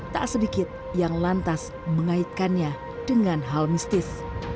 tak sedikit yang lantas mengaitkannya dengan hal mistis